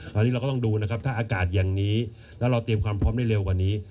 ตอนนี้เราก็ต้องดูนะครับถ้าอากาศอย่างนี้แล้วเราเตรียมความพร้อมได้เร็วกว่านี้